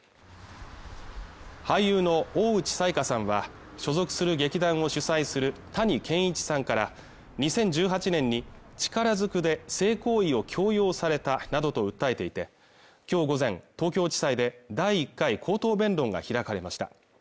俳優の大内彩加さんは所属する劇団を主宰する谷賢一さんから２０１８年に力ずくで性行為を強要されたなどと訴えていて今日午前東京地裁で第１回口頭弁論が開かれました